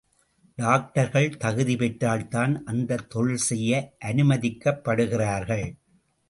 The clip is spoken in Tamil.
டாக்டர்கள் தகுதி பெற்றால்தான் அந்தத் தொழில் செய்ய அனுமதிக்கப்படுகிறார்கள்.